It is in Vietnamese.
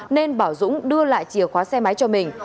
nên bảo dũng đưa lại chìa khóa xe máy cho mình